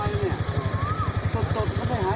นี่คนเจ็บอยู่นี่